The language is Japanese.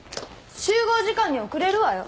集合時間に遅れるわよ。